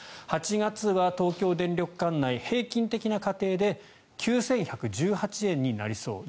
８月は東京電力管内平均的な家庭で９１１８円になりそう。